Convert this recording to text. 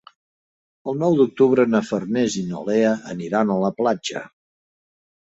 El nou d'octubre na Farners i na Lea aniran a la platja.